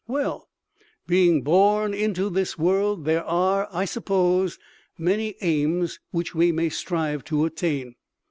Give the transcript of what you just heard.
Well! Being born into this world there are, I suppose, many aims which we may strive to attain.